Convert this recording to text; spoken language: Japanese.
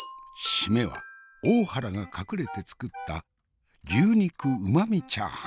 〆は大原が隠れて作った牛肉うまみチャーハン。